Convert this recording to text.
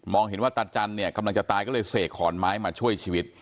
เห็นว่าตาจันเนี่ยกำลังจะตายก็เลยเสกขอนไม้มาช่วยชีวิต